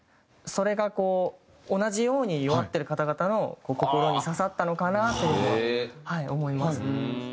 それが同じように弱ってる方々の心に刺さったのかなという思います。